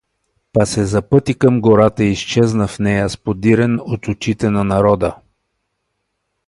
Па се запъти към гората и изчезна в нея, сподирен от очите на народа.